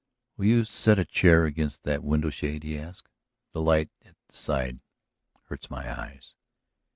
"Will you set a chair against that window shade?" he asked. "The light at the side hurts my eyes."